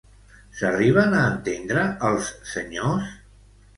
S'arriben a entendre els senyors?